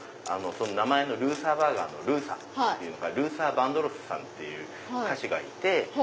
名前のルーサーバーガーのルーサーっていうのがルーサー・ヴァンドロスさんって歌手がいて。